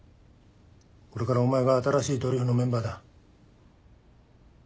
これからお前が新しいドリフのメンバーだ。